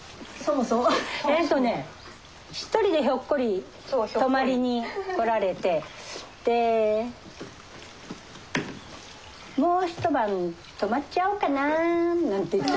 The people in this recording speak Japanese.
えっとね一人でひょっこり泊まりに来られてで「もう一晩泊まっちゃおうかなぁ」なんて言って。